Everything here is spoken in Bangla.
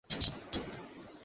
নড়াচড়া বন্ধ কর!